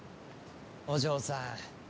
お嬢さん。